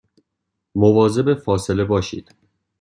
مواظب فاصله باشید